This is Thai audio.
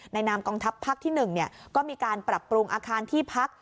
นามกองทัพภาคที่๑ก็มีการปรับปรุงอาคารที่พัก